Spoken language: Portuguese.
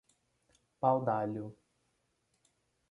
Paudalho